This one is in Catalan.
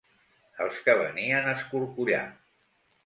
Els que venien a escorcollar.